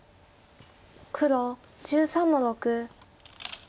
黒１３の六。